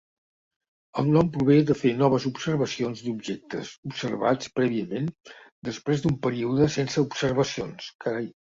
El nom prové de fer noves observacions d'objectes observats prèviament després d'un període sense observacions.